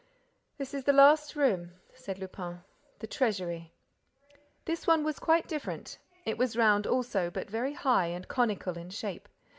"This is the last room," said Lupin. "The treasury." This one was quite different. It was round also, but very high and conical in shape.